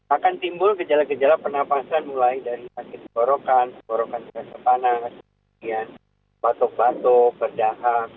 akan timbul gejala gejala penafasan mulai dari sakit borokan borokan tersepanang batuk batuk berdahak